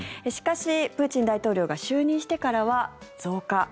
しかし、プーチン大統領が就任してからは増加。